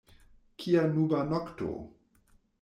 Kia nuba nokto!